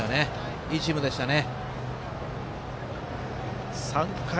いいチームでしたね。